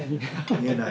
言えない。